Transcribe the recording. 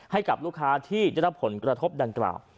ให้กับลูกค้าที่ได้รับผลกระทบดังกล่าว